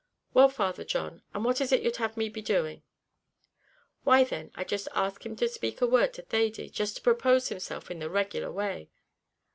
"Well, Father John, and what is it you'd have me be doing?" "Why, then, I'd just ask him to speak a word to Thady just to propose himself in the regular way."